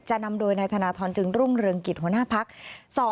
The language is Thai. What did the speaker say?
นำโดยนายธนทรจึงรุ่งเรืองกิจหัวหน้าพัก